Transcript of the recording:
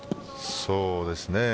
そうですね。